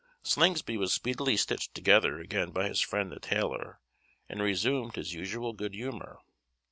Slingsby was speedily stitched together again by his friend the tailor, and resumed his usual good humour.